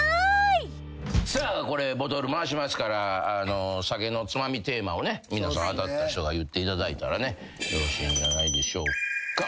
これボトル回しますから『酒のツマミ』テーマをね皆さん当たった人が言っていただいたらねよろしいんじゃないでしょうか。